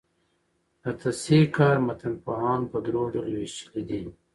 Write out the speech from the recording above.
د تصحیح کار متنپوهانو په درو ډلو ویشلی دﺉ.